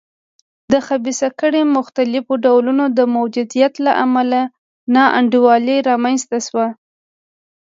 د خبیثه کړۍ مختلفو ډولونو د موجودیت له امله نا انډولي رامنځته شوه.